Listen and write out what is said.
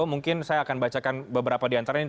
mungkin saya akan bacakan beberapa di antara ini